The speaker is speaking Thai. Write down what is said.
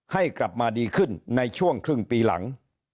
ให้กลับมาดีขึ้นในช่วงครึ่งปีหลัง